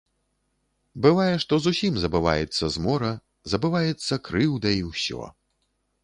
Бывае, што зусім забываецца змора, забываецца крыўда і ўсё.